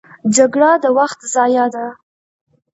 جګړه د وخت ضیاع ده